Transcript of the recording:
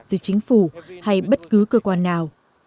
từ chính phủ hay bất cứ cơ quan nào